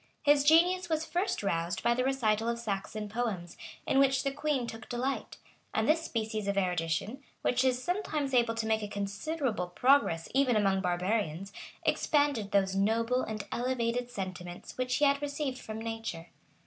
His genius was first roused by the recital of Saxon poems, in which the queen took delight; and this species of erudition, which is sometimes able to make a considerable progress even among barbarians, expanded those noble and elevated sentiments which he had received from nature.